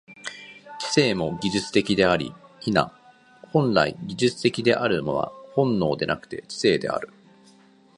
知性も技術的であり、否、本来技術的であるのは本能でなくて知性である。